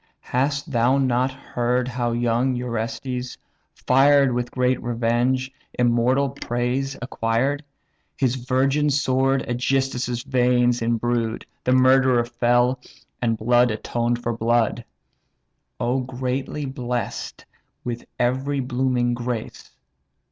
Hast thou not heard how young Orestes, fired With great revenge, immortal praise acquired? His virgin sword AEgysthus' veins imbrued; The murderer fell, and blood atoned for blood. O greatly bless'd with every blooming grace!